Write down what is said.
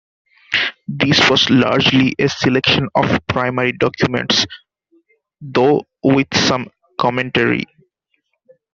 This was largely a selection of primary documents, though with some commentary.